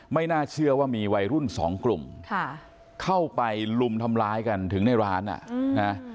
ไม่น่าเชื่อว่ามีวัยรุ่นสองกลุ่มเข้าไปลุมทำร้ายกันถึงในร้านอ่ะนะ